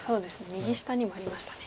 右下にもありましたね。